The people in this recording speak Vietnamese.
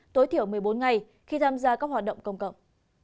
tối thiểu một mươi bốn ngày khi tham gia các hoạt động công cộng